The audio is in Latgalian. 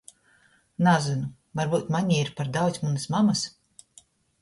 Nazynu, varbyut manī ir par daudz munys mamys.